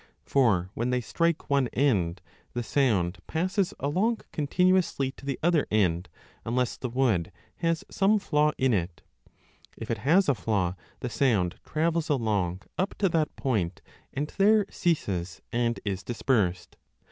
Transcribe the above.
For when they strike one end, the sound passes along con tinuously to the other end unless the wood has some flaw in it ; if it has a flaw, the sound travels along up to that 35 point and there ceases and is dispersed.